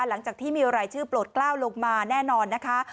หลังจากที่มีรายชื่อโปรดกล้าวลงมาแน่นอนนะคะ